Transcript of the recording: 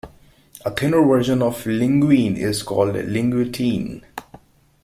A thinner version of linguine is called linguettine.